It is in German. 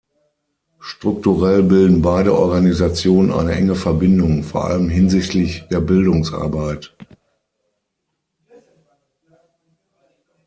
Strukturell bilden beide Organisationen eine enge Verbindung, vor allem hinsichtlich der Bildungsarbeit.